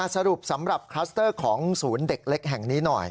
สรุปสำหรับคลัสเตอร์ของศูนย์เด็กเล็กแห่งนี้หน่อย